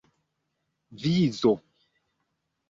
vizo